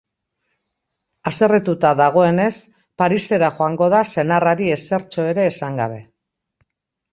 Haserretuta dagoenez, Parisera joango da senarrari ezertxo ere esan gabe.